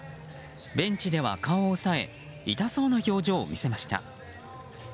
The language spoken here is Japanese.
ベンチでは顔を押さえ痛そうな表情を見せました。